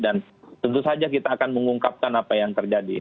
dan tentu saja kita akan mengungkapkan apa yang terjadi